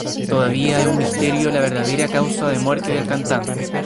Todavía es un misterio la verdadera causa de la muerte del cantante.